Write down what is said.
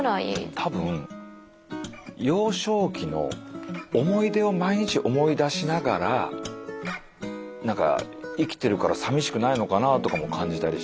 多分幼少期の思い出を毎日思い出しながら何か生きてるからさみしくないのかなとかも感じたりした。